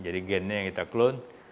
jadi gennya yang kita clone